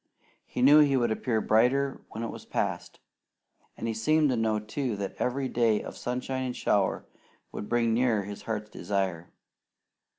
He knew he would appear brighter when it was past, and he seemed to know, too, that every day of sunshine and shower would bring nearer his heart's desire.